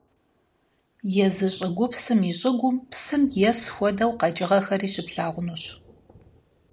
Езы щӀыгупсым и щыгум псым ес хуэдэу къэкӀыгъэхэри щыплъагъунущ.